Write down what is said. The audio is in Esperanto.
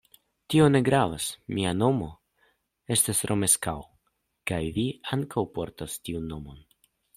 Tio ne gravas, mia nomo estas Romeskaŭ kaj vi ankaŭ portas tiun nomon.